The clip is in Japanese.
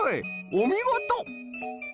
おみごと！